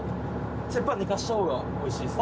やっぱり寝かせたほうがおいしいです。